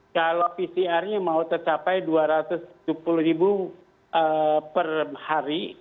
kalau pcr nya mau tercapai dua ratus tujuh puluh ribu per hari